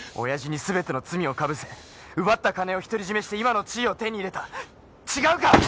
親父に全ての罪を被せ奪った金を独り占めして今の地位を手に入れた違うか！